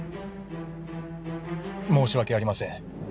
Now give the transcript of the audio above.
申し訳ありません。